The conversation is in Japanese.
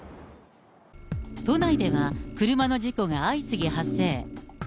都内では車の事故が相次ぎ発生。